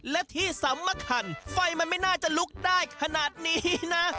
และที่สำคัญไฟมันไม่น่าจะลุกได้ขนาดนี้นะ